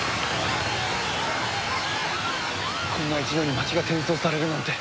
こんな一度に街が転送されるなんて。